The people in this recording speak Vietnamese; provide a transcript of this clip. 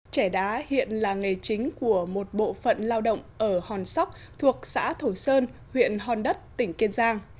trẻ đá hiện là nghề chính của một bộ phận lao động ở hòn sóc thuộc xã thổ sơn huyện hòn đất tỉnh kiên giang